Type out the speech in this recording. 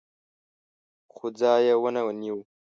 خو ځای یې ونه نیو.